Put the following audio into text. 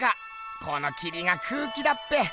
このきりが空気だっぺ。